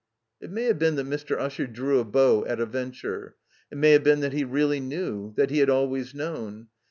It may have been that Mr. Usher drew a bow at a venture; it may have been that he really knew, that he had always known.